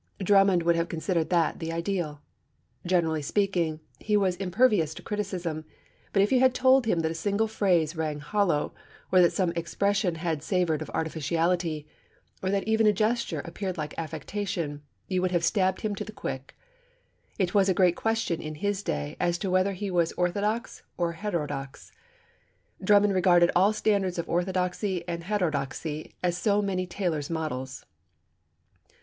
Drummond would have considered that the ideal. Generally speaking, he was impervious to criticism; but if you had told him that a single phrase rang hollow, or that some expression had savoured of artificiality, or that even a gesture appeared like affectation, you would have stabbed him to the quick. It was a great question in his day as to whether he was orthodox or heterodox. Drummond regarded all standards of orthodoxy and of heterodoxy as so many tailors' models.